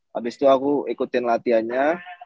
habis itu aku ikutin latihannya